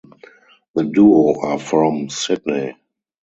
The duo are from Sydney.